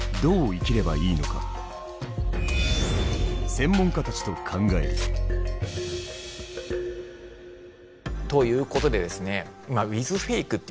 専門家たちと考える。ということでですね